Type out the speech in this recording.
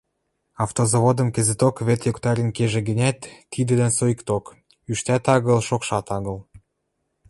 Автозаводым кӹзӹток вӹд йоктарен кежӹ гӹнят, тидӹлӓн соикток, ӱштӓт агыл, шокшат агыл.